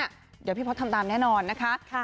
เดี๋ยวพี่พศทำตามแน่นอนนะคะ